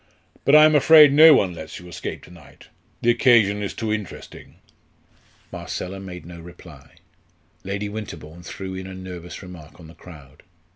"But I am afraid no one lets you escape to night. The occasion is too interesting." Marcella made no reply. Lady Winterbourne threw in a nervous remark on the crowd.